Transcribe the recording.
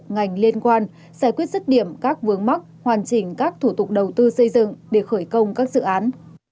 ngành liên quan giải quyết rứt điểm các vướng mắc hoàn chỉnh các thủ tục đầu tư xây dựng để khởi công các dự án